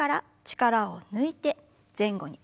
力を抜いて前後に。